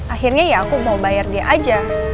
akhirnya ya aku mau bayar dia aja